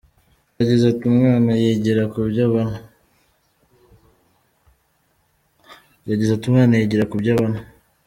Yagize ati “Umwana yigira kubyo abona.